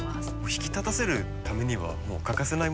引き立たせるためにはもう欠かせないものですよね。